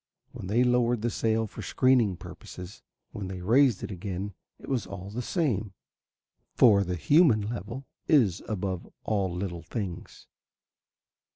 When they lowered the sail for screening purposes, when they raised it again, it was all the same, for the human level is above all little things.